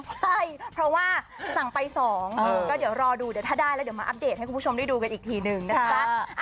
ใช่เพราะว่าสั่งไป๒ก็เดี๋ยวรอดูเดี๋ยวถ้าได้แล้วเดี๋ยวมาอัปเดตให้คุณผู้ชมได้ดูกันอีกทีหนึ่งนะคะ